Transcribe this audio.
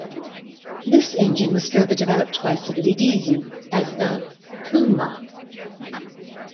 This engine was further developed by Siddeley-Deasy as the Puma.